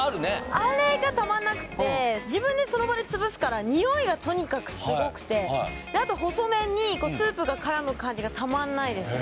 あれがたまんなくって自分でその場で潰すからニオイがとにかくすごくてあと細麺にスープが絡む感じがたまんないです